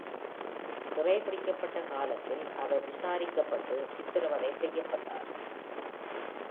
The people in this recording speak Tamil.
சிறைபிடிக்கப்பட்ட காலத்தில், அவர் விசாரிக்கப்பட்டு சித்திரவதை செய்யப்பட்டார்.